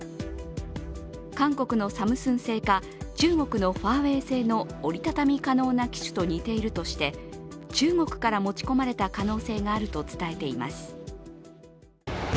韓国のサムスン製か中国のファーウェイ製の折りたたみ可能な機種と似ているとして中国から持ち込まれた可能性があると伝えています。